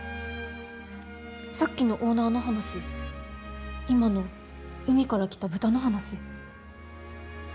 さっきのオーナーの話今の海から来た豚の話何か。